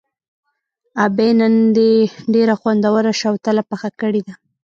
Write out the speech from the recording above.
ابۍ نن دې ډېره خوندوره شوتله پخه کړې ده.